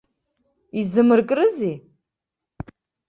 Изамаркрызеи?